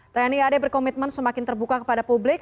tni ad berkomitmen semakin terbuka kepada publik